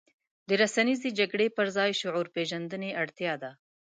د رسنیزې جګړې پر ځای شعور پېژندنې اړتیا ده.